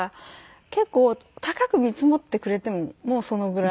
結構高く見積もってくれてももうそのぐらい。